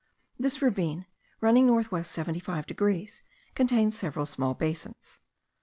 This ravine, running north west 75 degrees, contains several small basins.